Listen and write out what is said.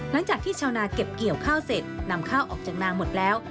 ชาวนาเก็บเกี่ยวข้าวเสร็จนำข้าวออกจากนางหมดแล้ว